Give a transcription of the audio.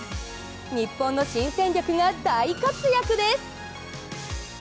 日本の新戦力が大活躍です。